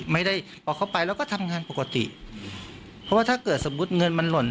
ไม่ได้เอาเข้าไปแล้วก็ทำงานปกติเพราะว่าถ้าเกิดสมมุติเงินมันหล่น